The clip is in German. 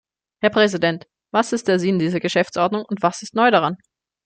Herr Präsident! Was ist der Sinn dieser Geschäftsordnung und was ist neu daran?